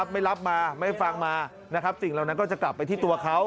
ไม่รับมาไม่ฟังมานะครับสิ่งเหล่านั้นก็จะกลับไปที่ตัวเขา